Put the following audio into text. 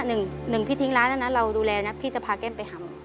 หนึ่งหนึ่งพี่ทิ้งร้านแล้วนะเราดูแลนะพี่จะพาแก้มไปหำ